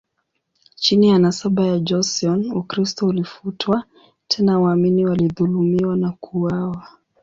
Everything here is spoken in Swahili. Chini ya nasaba ya Joseon, Ukristo ulifutwa, tena waamini walidhulumiwa na kuuawa.